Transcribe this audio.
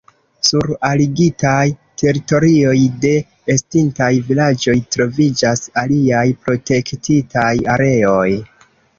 Sur aligitaj teritorioj de estintaj vilaĝoj troviĝas aliaj protektitaj areoj.